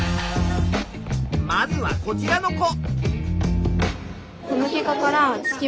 まずはこちらの子。